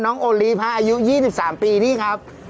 น้องโอลีฟอายุ๒๓ปีนี่ครับ